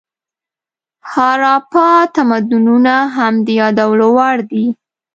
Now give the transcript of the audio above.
هاراپا تمدنونه هم د یادولو وړ دي.